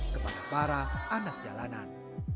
kepada para anak jalanan